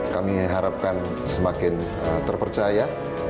kami harapkan semakin terpercaya